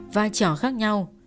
vai trò khác nhau